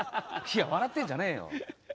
いや笑ってんじゃねえよ。